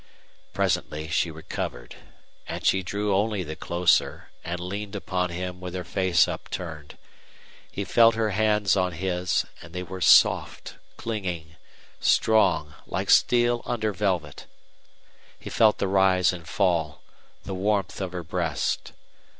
Presently she recovered, and she drew only the closer, and leaned upon him with her face upturned. He felt her hands on his, and they were soft, clinging, strong, like steel under velvet. He felt the rise and fall, the warmth of her breast.